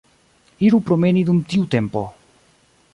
Iru promeni dum tiu tempo.